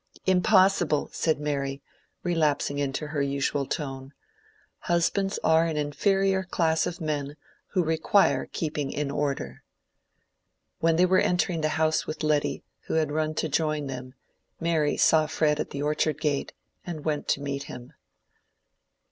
"Impossible," said Mary, relapsing into her usual tone; "husbands are an inferior class of men, who require keeping in order." When they were entering the house with Letty, who had run to join them, Mary saw Fred at the orchard gate, and went to meet him.